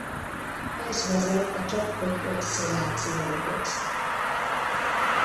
Ez vezet a csatolt oszcillációhoz.